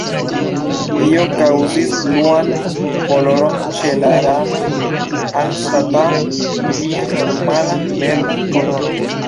Tio kaŭzis bluan koloron ĉe la ranoj anstataŭ ilian normalan verdan koloron.